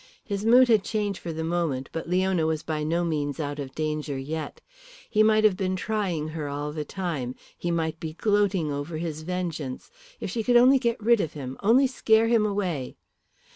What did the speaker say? His mood had changed for the moment, but Leona was by no means out of danger yet. He might have been trying her all the time, he might be gloating over his vengeance. If she could only get rid of him, only scare him away.